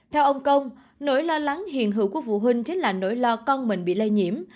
theo ông công nỗi lo lắng hiện hữu của phụ huynh chính là nỗi lo con mình bị lây nhiễm